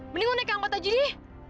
mending lu naik yang kota jadi